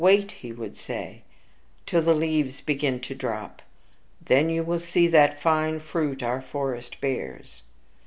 "Wait," he would say, "till the leaves begin to drop; then you will see what fine fruit our forest bears."